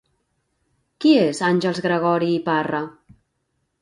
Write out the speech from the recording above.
Qui és Àngels Gregori i Parra?